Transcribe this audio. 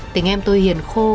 tình em tôi hiền khô